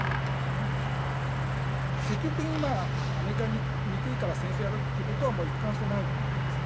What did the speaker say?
積極的にアメリカ憎いから戦争やるっていうことは一貫してないと思います。